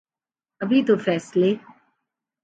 ابھی تو فیصلے